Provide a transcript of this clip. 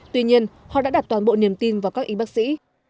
tuy nhiên họ đã đặt toàn bộ niềm tin vào các y bác sĩ